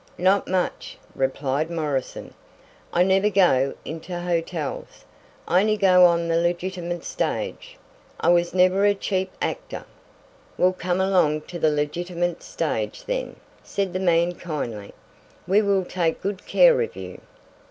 "Not much," replied Morrison. "I never go into hotels I only go on the legitimate stage. I was never a cheap actor." "Well, come along to the legitimate stage then," said the man kindly. "We will take good care of you."